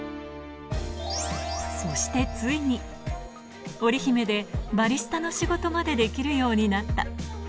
そしてついに、オリヒメでバリスタの仕事までできるようになった。